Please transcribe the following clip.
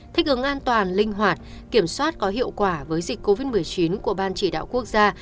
thích ứng an toàn linh hoạt kiểm soát có hiệu quả với dịch covid một mươi chín của ban chỉ đạo quốc gia